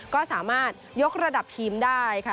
ก็สามารถยกระดับทีมได้ค่ะ